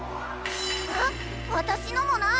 あっわたしのもない！